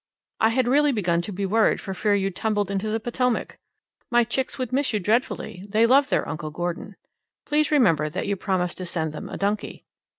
I had really begun to be worried for fear you'd tumbled into the Potomac. My chicks would miss you dreadfully; they love their uncle Gordon. Please remember that you promised to send them a donkey.